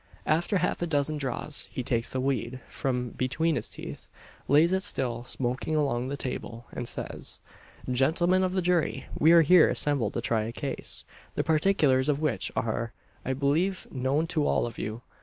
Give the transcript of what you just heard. After half a dozen draws, he takes the "weed" from between his teeth, lays it still smoking along the table, and says "Gentlemen of the jury! We are here assembled to try a case, the particulars of which are, I believe, known to all of you.